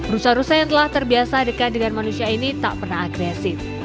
rusa rusa yang telah terbiasa dekat dengan manusia ini tak pernah agresif